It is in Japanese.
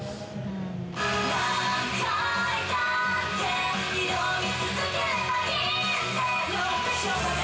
難解だって挑み続ければいいんです